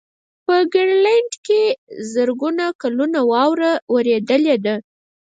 په ګرینلنډ کې زرګونه کلونه واوره ورېدلې ده.